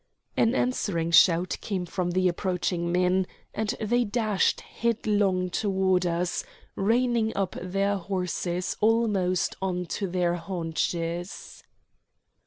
An answering shout came from the approaching men, and they dashed headlong toward us, reigning up their horses almost on to their haunches.